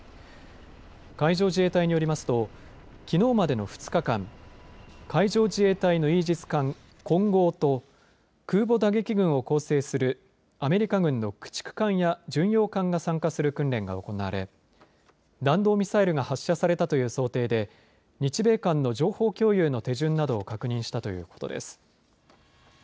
海上自衛隊によりますときのうまでの２日間、海上自衛隊のイージス艦こんごうと空母打撃群を構成するアメリカ軍の駆逐艦や巡洋艦が参加する訓練が行われ弾道ミサイルが発射されたという想定で日米間の情報共有の手順などを確認したということです。